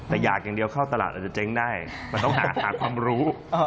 แต่อยากอย่างเดียวเข้าตลาดอาจจะเจ๊งได้มันต้องหาความรู้